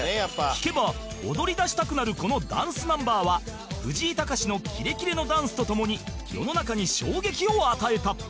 聴けば踊りだしたくなるこのダンスナンバーは藤井隆のキレキレのダンスとともに世の中に衝撃を与えた